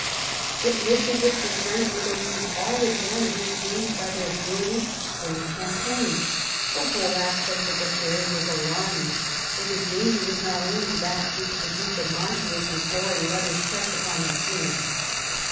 It looked as if the French were to lose all advantages gained by their brilliant spring campaign. The whole aspect of affairs was alarming, for the danger was not only that which the Duke of Mantua's imploring letters pressed upon the King.